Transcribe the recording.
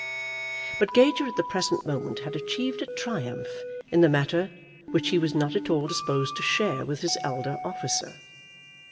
But Gager at the present moment had achieved a triumph in the matter which he was not at all disposed to share with his elder officer.